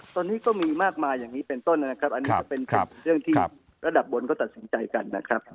ตอนนี้ก็มีมากมายอย่างนี้เป็นต้นนะครับอันนี้ก็เป็นเรื่องที่ระดับบนเขาตัดสินใจกันนะครับ